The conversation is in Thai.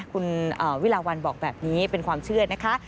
คุณวิลาวันบอกแบบนี้เป็นความเชื่อนะคะ